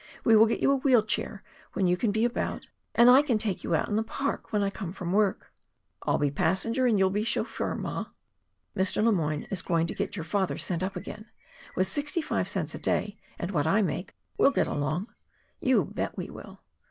We will get you a wheel chair when you can be about, and I can take you out in the park when I come from work." "I'll be passenger and you'll be chauffeur, ma." "Mr. Le Moyne is going to get your father sent up again. With sixty five cents a day and what I make, we'll get along." "You bet we will!"